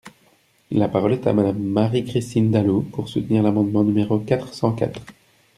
La parole est à Madame Marie-Christine Dalloz, pour soutenir l’amendement numéro quatre cent quatre.